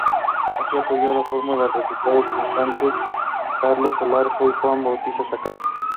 Así apoyó la fórmula que resultó triunfante de Carlos Solórzano y Juan Bautista Sacasa.